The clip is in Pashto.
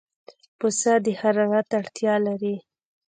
پسه د حرارت اړتیا لري.